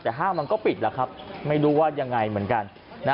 แต่ห้างมันก็ปิดแล้วครับไม่รู้ว่ายังไงเหมือนกันนะ